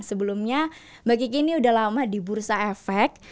sebelumnya mbak kiki ini udah lama di bursa efek